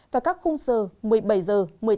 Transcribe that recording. và các khung giờ một mươi bảy h một mươi tám h ba mươi